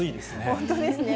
本当ですね。